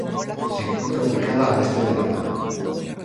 Se encuentra ubicada al este de La Habana.